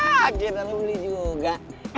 gitu lo beli juga